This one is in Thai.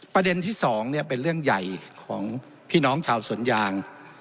ประเด็นที่๒เป็นเรื่องใหญ่ของพี่น้องชาวสวนยาง